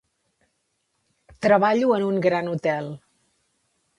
Treballo en un gran hotel.